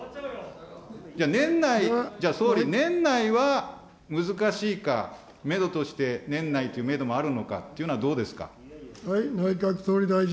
じゃあ年内、じゃあ総理、年内は難しいか、メドとして、年内というメドもあるのかというのはどうですか。